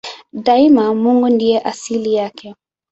Daima Mungu ndiye asili yake.